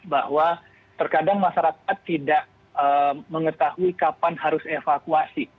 bahwa terkadang masyarakat tidak mengetahui kapan harus evakuasi